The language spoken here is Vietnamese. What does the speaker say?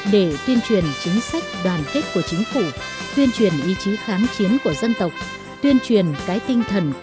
để tuyên truyền chính sách đoàn kết của chính sách